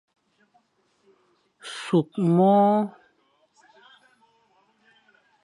Sukh môr.